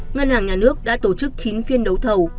ngân hàng nhà nước đã tổ chức chín phiên đấu thầu